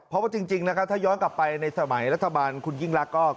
เพราะว่าจริงถ้าย้อนกลับไปในสมัยรัฐบาลคุณกิ้งลักษณ์